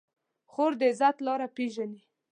خور د عزت لاره پېژني.